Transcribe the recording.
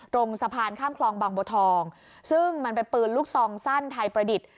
ตรงสะพานข้ามคลองบางบัวทองซึ่งมันเป็นปืนลูกซองสั้นไทยประดิษฐ์